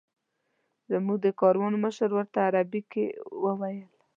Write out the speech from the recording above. زموږ د کاروان مشر ورته عربي کې وویل.